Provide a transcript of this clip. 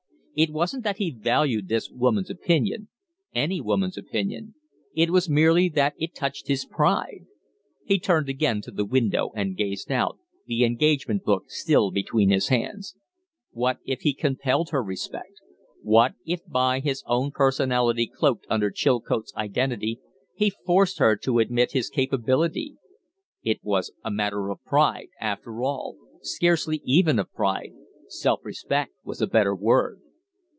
It wasn't that he valued this woman's opinion any woman's opinion; it was merely that it touched his pride. He turned again to the window and gazed out, the engagement book still between his hands. What if he compelled her respect? What if by his own personality cloaked under Chilcote's identity he forced her to admit his capability? It was a matter of pride, after all scarcely even of pride; self respect was a better word.